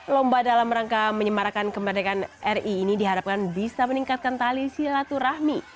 lomba dalam rangka menyemarakan kemerdekaan ri ini diharapkan bisa meningkatkan tali silaturahmi